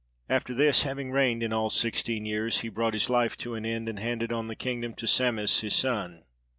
After this, having reigned in all sixteen years, he brought his life to an end, and handed on the kingdom to Psammis his son.